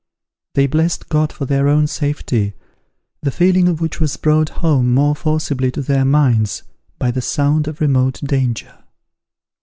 They blessed God for their own safety, the feeling of which was brought home more forcibly to their minds by the sound of remote danger.